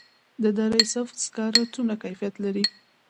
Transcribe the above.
د دره صوف سکاره څومره کیفیت لري؟